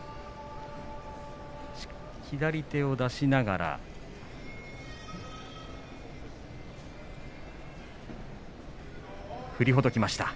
左手を出しながら振りほどきました。